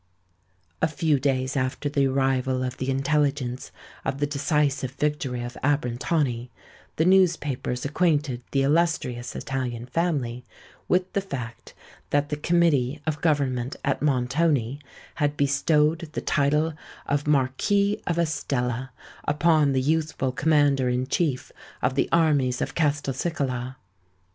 A few days after the arrival of the intelligence of the decisive victory of Abrantani, the newspapers acquainted the illustrious Italian family with the fact that the Committee of Government at Montoni had bestowed the title of Marquis of Estella upon the youthful Commander in Chief of the Armies of Castelcicala.